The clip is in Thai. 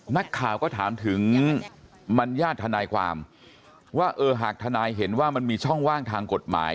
นักข่าวก็ถามถึงบรรยาทนายความว่าเออหากทนายเห็นว่ามันมีช่องว่างทางกฎหมาย